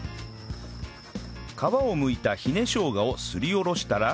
皮をむいたひね生姜をすりおろしたら